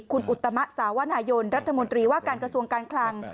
คุณอุตมะสาวนายนรัฐมนตรีว่าการกระทรวงการคลัง